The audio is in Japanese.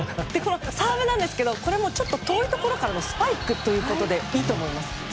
サーブなんですけどこれもちょっと遠いところからのスパイクということでいいと思います。